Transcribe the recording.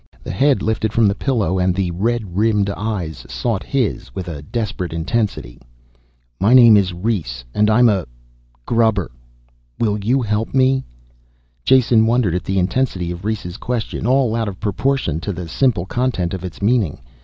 The head lifted from the pillow and the red rimmed eyes sought his with a desperate intensity. "My name is Rhes and I'm a ... grubber. Will you help me?" Jason wondered at the intensity of Rhes' question, all out of proportion to the simple content of its meaning.